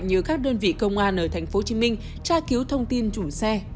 như các đơn vị công an ở tp hcm tra cứu thông tin chủ xe